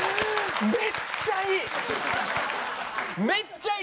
めっちゃいい！